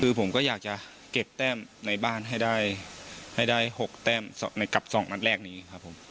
คือผมก็อยากจะเก็บแต้มในบ้านให้ได้๖แต้มในกับ๒นัดแรกนี้ครับผม